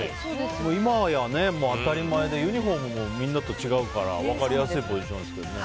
今や当たり前で、ユニホームもみんなと違うから分かりやすいポジションですけどね。